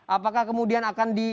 apakah kemudian akan